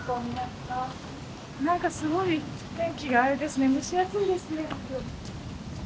なんかすごい天気があれですね蒸し暑いですね今日。